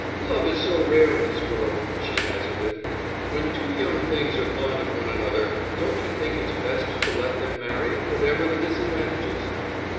"Love is so rare in this world," she hazarded, "When two young things are fond of one another, don't you think it's best to let them marry, whatever the disadvantages?"